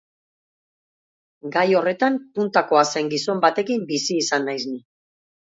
Gai horretan puntakoa zen gizon batekin bizi izan naiz ni.